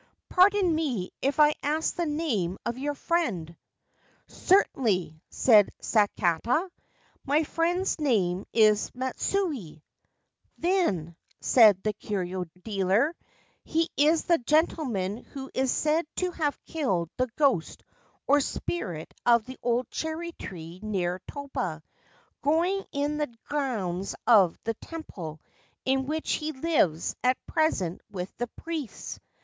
* Pardon me if I ask the name of your friend ?'' Certainly/ said Sakata. ' My friend's name is Matsui/ ' Then/ said the curio dealer, ' he is the gentleman who is said to have killed the ghost or spirit of the old cherry tree near Toba, growing in the grounds of the temple in which he lives at present with the priests.